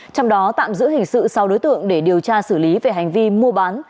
trong đó tạm giữ hình sự sau đối tượng để điều tra xử lý về hành vi mua bán